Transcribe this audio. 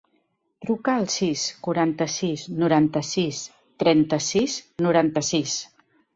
Truca al sis, quaranta-sis, noranta-sis, trenta-sis, noranta-sis.